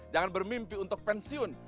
jangan bermimpi untuk pensiun